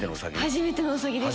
初めてのウサギです。